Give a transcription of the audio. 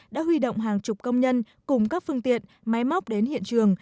đã huy động hàng chục công nhân cùng các phương tiện máy móc đến hiện trường